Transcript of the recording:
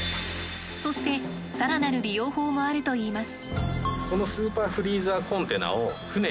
そして更なる利用法もあるといいます。